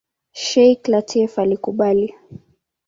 Sheikh Lateef alikubali.